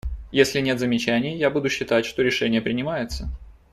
Если нет замечаний, я буду считать, что решение принимается.